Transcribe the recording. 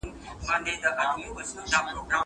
زه به سبا کتابونه وړم وم.